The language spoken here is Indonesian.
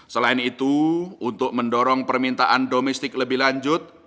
selain itu untuk mendorong permintaan domestik lebih lanjut